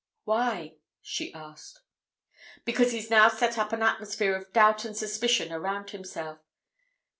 "Why?" she asked. "Because he's now set up an atmosphere of doubt and suspicion around himself.